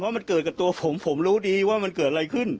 มันเกิดกับตัวผมผมรู้ดีว่ามันเกิดอะไรขึ้น